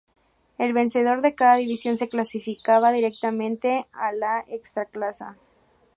El vencedor de cada división se clasificaba directamente a la Ekstraklasa.